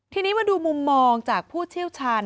ทีนี้มาดูมุมมองจากผู้เชี่ยวชาญ